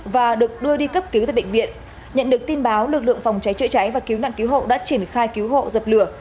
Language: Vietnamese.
và được đưa đi cấp cứu tại bệnh viện nhận được tin báo lực lượng phòng cháy chữa cháy và cứu nạn cứu hộ đã triển khai cứu hộ dập lửa